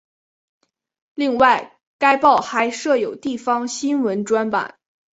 另外该报还设有地方新闻专版。